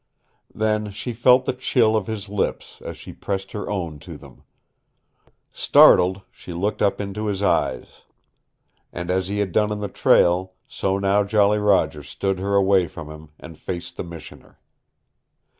Then she felt the chill of his lips as she pressed her own to them. Startled, she looked up into his eyes. And as he had done in the trail, so now Jolly Roger stood her away from him, and faced the Missioner.